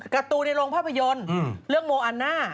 การ์ตูในโรงภาพยนตร์เรื่องโมอันน่า